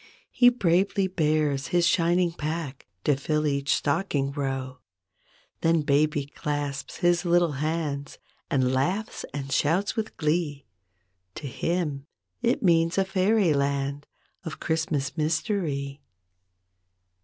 He bravely bears his shining pack To fill each stocking row. Then baby clasps his little hands And laughs and shouts with glee. To him it means a fairy land Of Christmas mystery.